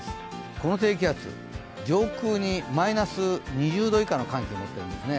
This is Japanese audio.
この低気圧、上空にマイナス２０度以下の寒気を持っているんですね。